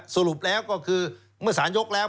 สรุปแล้วก็คือเมื่อสารยกแล้ว